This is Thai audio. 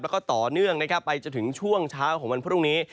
แล้วก็ต่อเนื่องนะครับไปจนถึงช่วงเช้าของวันพรุ่งนี้